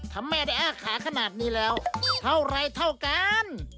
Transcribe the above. ถ้าแม่ได้อ้าขาขนาดนี้แล้วเท่าไรเท่ากัน